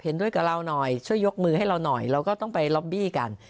เห็นด้วยกับเราหน่อยช่วยยกมือให้เราหน่อยเราก็ต้องไปล็อบบี้กัน